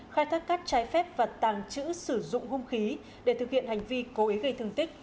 khai thác cát trái phép và tàng trữ sử dụng hung khí để thực hiện hành vi cố ý gây thương tích